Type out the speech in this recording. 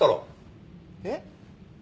えっ？